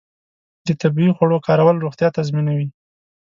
د طبیعي خوړو کارول روغتیا تضمینوي.